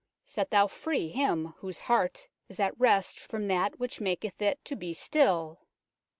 Set thou free him whose heart is at rest from that which maketh it to be still.